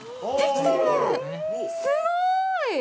すごい！